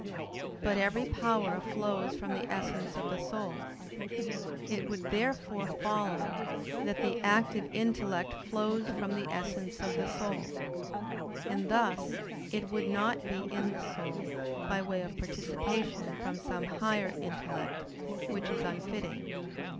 But every power flows from the essence of the soul. It would therefore follow that the active intellect flows from the essence of the soul. And thus it would not be in the soul by way of participation from some higher intellect: which is unfitting.